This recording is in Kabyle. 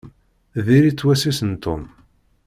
Diri-t wass-is n Tom.